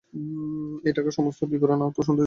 এ টাকার সমস্ত বিবরণ আমার আর শুনতে ইচ্ছে হল না।